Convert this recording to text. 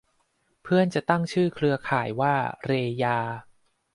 เพื่อนจะตั้งชื่อเครื่องว่า เรยา